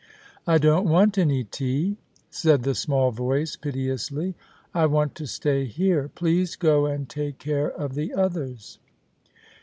" I don't want any tea," said the small voice, piteously. " 1 want to stay here. Please go and take care of the others."